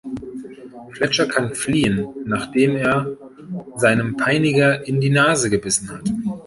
Fletcher kann fliehen, nachdem er seinem Peiniger in die Nase gebissen hat.